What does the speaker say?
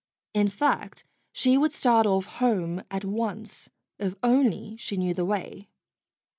In fact, she would start off home at once if only she knew the way.